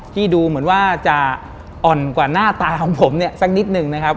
ที่ดูเหมือนว่าจะอ่อนกว่าหน้าตาของผมเนี่ยสักนิดหนึ่งนะครับ